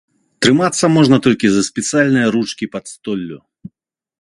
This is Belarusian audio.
Трымацца можна толькі за спецыяльныя ручкі пад столлю.